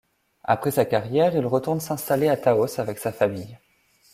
Après sa carrière, il retourne s'installer à Taos avec sa famille.